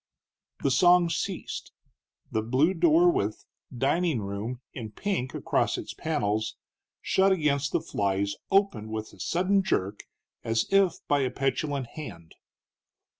The song ceased, the blue door with DINING ROOM in pink across its panels, shut against the flies, opened with sudden jerk, as if by a petulant hand.